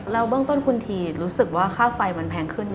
แล้วเบื้องต้นคุณทีรู้สึกว่าค่าไฟมันแพงขึ้น